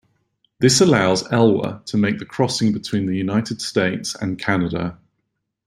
This allows "Elwha" to make the crossing between the United States and Canada.